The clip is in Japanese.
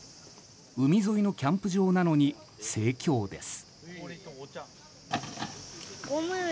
海沿いのキャンプ場なのに盛況です。